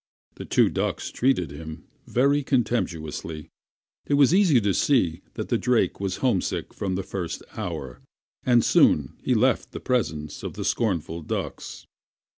The two ducks treated him very contemptuously. It was easy to see that the drake was homesick from the first hour, and he soon left the presence of the scornful ducks.